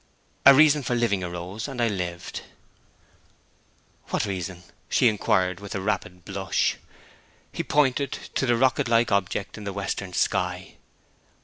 'A reason for living arose, and I lived.' 'What reason?' she inquired, with a rapid blush. He pointed to the rocket like object in the western sky.